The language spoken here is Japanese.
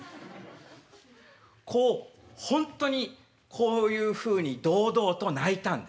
こうほんとにこういうふうに堂々と鳴いたんですね。